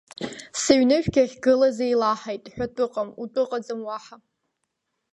Сыҩныжәгьы ахьгылаз еилаҳаит, ҳәатә ыҟам, утәы ыҟаӡам уаҳа.